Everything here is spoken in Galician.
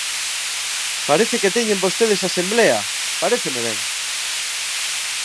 Parece que teñen vostedes asemblea; paréceme ben.